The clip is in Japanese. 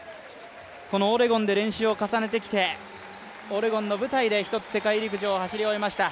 このオレゴンで練習を重ねてきて、オレゴンの舞台で１つ、世界陸上を走り終えました。